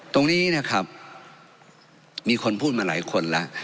ตรงนี้นะครับมีคนพูดมาหลายคนแล้ว